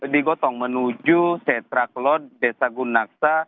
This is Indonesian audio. digotong menuju setraklot desa gunaksa